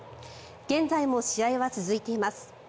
現在も試合は続いています。